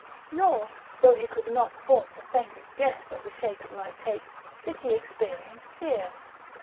Nor, though he could not form the faintest guess of the shape it might take, did he experience fear.